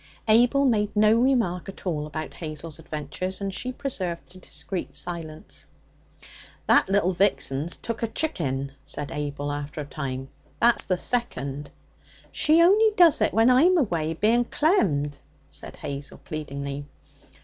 Abel made no remark at all about Hazel's adventures, and she preserved a discreet silence. 'That little vixen's took a chicken,' said Abel, after a time; 'that's the second.' 'She only does it when I'm away, being clemmed,' said Hazel pleadingly.